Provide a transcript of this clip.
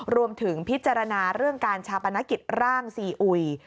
รวมถึงพิจารณาเรื่องการชาปนกิจร่างซีอุย